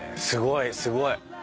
すごいすごい。